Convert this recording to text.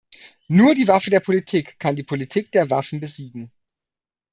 Nur die Waffe der Politik kann die Politik der Waffen besiegen.